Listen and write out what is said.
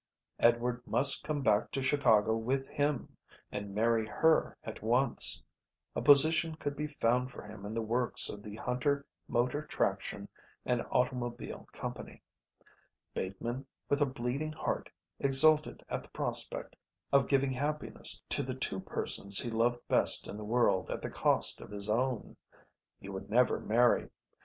Edward must come back to Chicago with him and marry her at once. A position could be found for him in the works of the Hunter Motor Traction and Automobile Company. Bateman, with a bleeding heart, exulted at the prospect of giving happiness to the two persons he loved best in the world at the cost of his own. He would never marry.